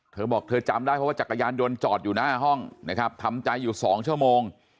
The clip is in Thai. เธอบอกเธอจำได้เพราะว่าจักรยานยนต์จอดอยู่หน้าห้องนะครับทำใจอยู่๒ชั่วโมง